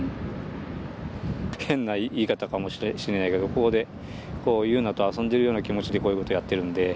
変な言い方かもしれないけどここで汐凪と遊んでるような気持ちでこういうことやってるんで。